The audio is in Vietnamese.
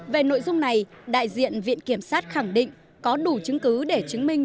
về nội dung này đại diện viện kiểm sát khẳng định có đủ chứng cứ để chứng minh